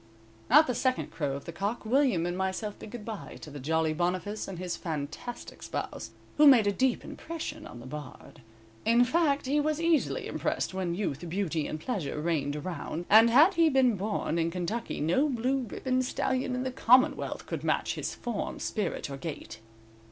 "_ At the second crow of the cock William and myself bid good bye to the jolly Boniface and his fantastic spouse, who made a deep impression on the Bard. In fact, he was easily impressed when youth, beauty and pleasure reigned around, and had he been born in Kentucky, no blue ribbon stallion in the commonwealth could match his form, spirit or gait.